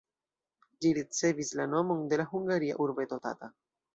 Ĝi ricevis la nomon de la hungaria urbeto Tata.